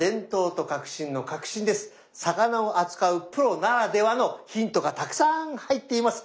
魚を扱うプロならではのヒントがたくさん入っています。